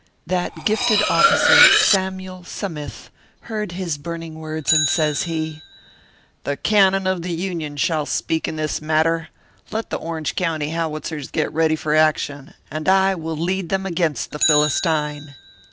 That gifted officer Samyule Sa mith, heard his burning words, and says he : "The cannon of the Union shall speak in this mat ter. Let the Orange County Howitzers get ready for action, and I will lead them against the Philistine."